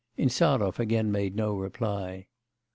Insarov again made no reply.